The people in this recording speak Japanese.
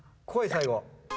最後。